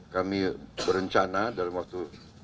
kami berencana dalam waktu